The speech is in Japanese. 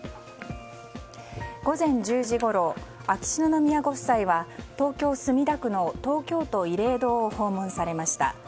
午前１０時ごろ秋篠宮ご夫妻は東京・墨田区の東京都慰霊堂を訪問されました。